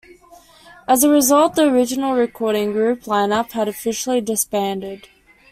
As a result, the original recording group line-up had officially disbanded.